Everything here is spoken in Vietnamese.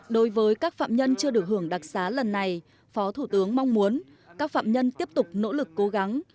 đối với các phạm nhân chưa được hưởng đặc xá lần này phó thủ tướng mong muốn các phạm nhân tiếp tục nỗ lực cố gắng